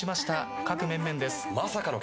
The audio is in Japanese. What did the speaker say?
各面々です。